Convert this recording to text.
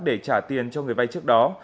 để trả tiền cho người vay trước đó